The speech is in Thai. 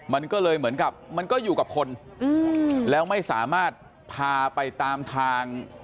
มันก็เลยเหมือนกับมันก็อยู่กับคนแล้วไม่สามารถพาไปตามทาง